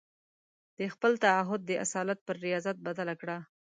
د خپل تعهد د اصالت پر رياضت بدله کړه.